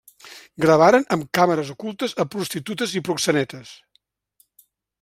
Gravaren amb càmeres ocultes a prostitutes i proxenetes.